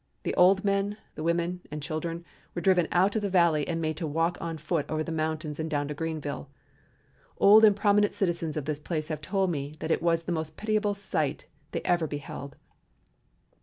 The old men, the women, and children were driven out of the valley and made to walk on foot over the mountains and down to Greenville. Old and prominent citizens of this place have told me that it was the most pitiable sight they ever beheld.